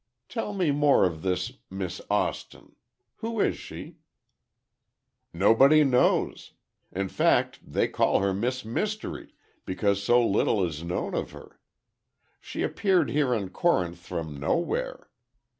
Tell me more of this Miss Austin. Who is she?" "Nobody knows. In fact, they call her Miss Mystery, because so little is known of her. She appeared here in Corinth from nowhere.